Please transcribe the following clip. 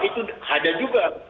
itu ada juga